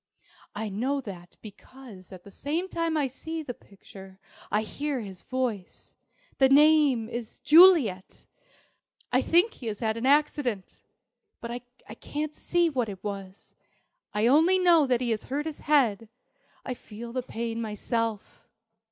I know that, because at the same time I see the picture I hear his voice. The name is 'Juliet!' I think he has had an accident. But I can't see what it was, I only know that he has hurt his head. I feel the pain myself.